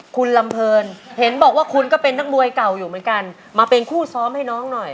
คุณลำเพลินเห็นบอกว่าคุณก็เป็นนักมวยเก่าอยู่เหมือนกันมาเป็นคู่ซ้อมให้น้องหน่อย